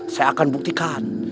saya akan buktikan